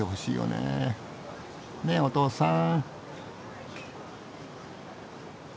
ねっお父さん。